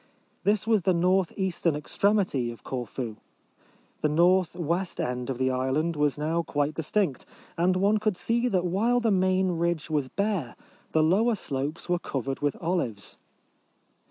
This was the north eastern extremity of Corfu. The north west end of the island was now quite distinct ; and one could see that while the main ridge was bare, the lower slopes were covered with olives.